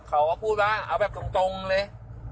เขาก็พูดว่าเอาแบบตรงเลย